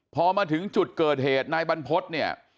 พอมาถึงจุดเกิดเหตุนายบรรพฤษเนี่ย